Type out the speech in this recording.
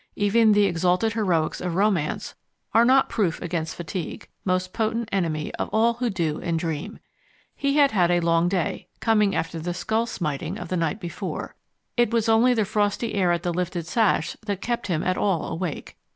Even the exalted heroics of romance are not proof against fatigue, most potent enemy of all who do and dream. He had had a long day, coming after the skull smiting of the night before; it was only the frosty air at the lifted sash that kept him at all awake.